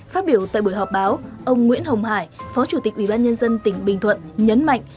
phát biểu tại buổi họp báo ông nguyễn hồng hải phó chủ tịch ubnd tỉnh bình thuận nhấn mạnh